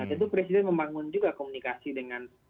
itu presiden membangun juga komunikasi dengan